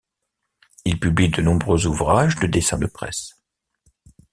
Il publie de nombreux ouvrages de dessins de presse.